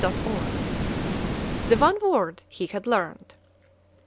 THE ONE WORD HE HAD LEARNED.